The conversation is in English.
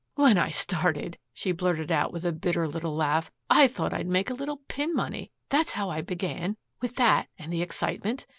"When I started," she blurted out with a bitter little laugh, "I thought I'd make a little pin money. That's how I began with that and the excitement.